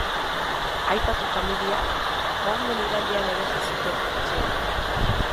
Aipatu familiak joan den irailean erosi zuten etxe hori.